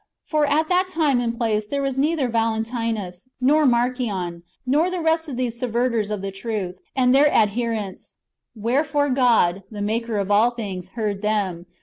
For at that time and place there w^as neither Yalentinus, nor Marcion, nor the rest of these subverters [of the truth], and their adhe rents. Wherefore God, the Maker of all things, heard them.